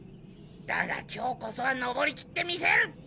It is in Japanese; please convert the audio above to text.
だが今日こそは登り切ってみせる！